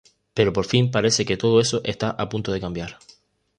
Pero por fin parece que todo eso está a punto de cambiar.